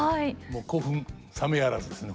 もう興奮冷めやらずですね